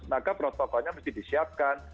maka protokolnya mesti disiapkan